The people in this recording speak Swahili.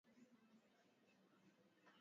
Watatu walitaka kujiendeleza kila mtu awe msanii